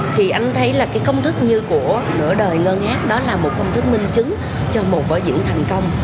thì anh thấy là cái công thức như của nửa đời ngân ngác đó là một công thức minh chứng cho một vở diễn thành công